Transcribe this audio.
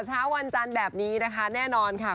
เช้าวันจันทร์แบบนี้นะคะแน่นอนค่ะ